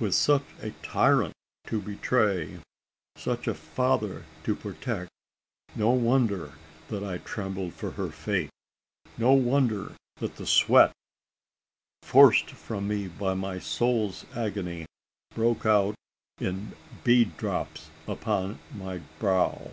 With such a tyrant to betray, such a father to protect, no wonder that I trembled for her fate! No wonder that the sweat forced from me my by soul's agony broke out in bead drops upon my brow!